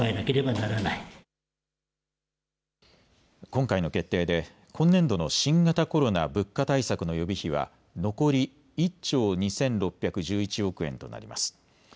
今回の決定で今年度の新型コロナ・物価対策の予備費は残り１兆２６１１億円となります。